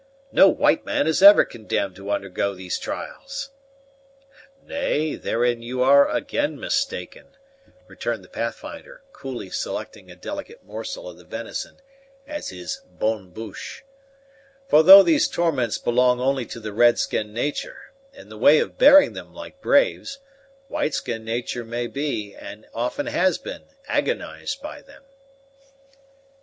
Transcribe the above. "No white man is ever condemned to undergo these trials." "Nay, therein you are again mistaken," returned the Pathfinder, coolly selecting a delicate morsel of the venison as his bonne bouche; "for though these torments belong only to the red skin natur', in the way of bearing them like braves, white skin natur' may be, and often has been, agonized by them."